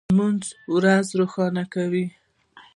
لمر ورځ روښانه کوي.